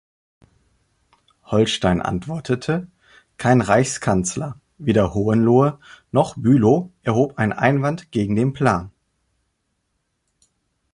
Holstein antwortete: Kein Reichskanzler, weder Hohenlohe noch Bülow erhob einen Einwand gegen den Plan.